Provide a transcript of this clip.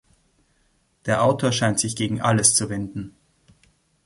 Der Autor scheint sich gegen alles zu wenden.